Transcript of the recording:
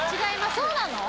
そうなの？